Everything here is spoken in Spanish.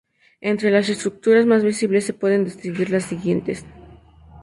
Entre las estructuras más visibles se pueden distinguir las siguientes.